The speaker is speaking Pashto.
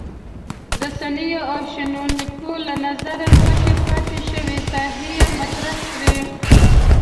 رسنیو او شنونکو له نظره پټې پاتې شوې ساحې یې مطرح کړې.